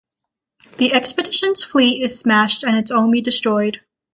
The expedition's fleet is smashed and its army destroyed.